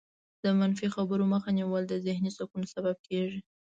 د منفي خبرو مخه نیول د ذهني سکون سبب کېږي.